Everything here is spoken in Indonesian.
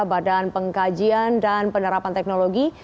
badan pengkajian dan penerapan teknologi